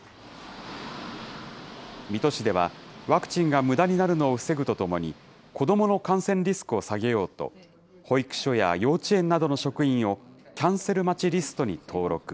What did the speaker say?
水戸市では、ワクチンがむだになるのを防ぐとともに、子どもの感染リスクを下げようと、保育所や幼稚園などの職員を、キャンセル待ちリストに登録。